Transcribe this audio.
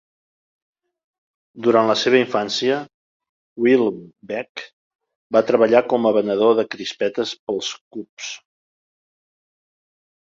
Durant la seva infància, Bill Veeck va treballar com a venedor de crispetes pels Cubs.